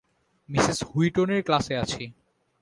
Mrs হুইটনির ক্লাসে আছি।